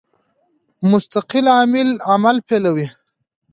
مستقل عامل عمل پیلوي.